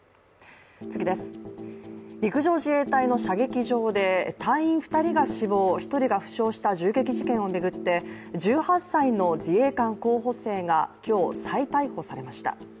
陸上自衛隊の射撃場で隊員２人が死亡、１人が負傷した銃撃事件を巡って１８歳の自衛官候補生が今日、再逮捕されました。